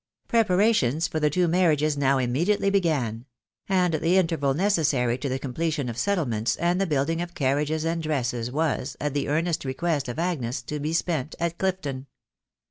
••• Preparations for the two marriages now immediately began; and the interval necessary to the completion of settlements, and the building of carriages and dresses, was, at the earnest request of Agnes, to be spent at Clifton.